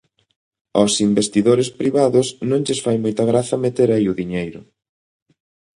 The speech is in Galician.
Aos investidores privados non lles fai moita graza meter aí o diñeiro.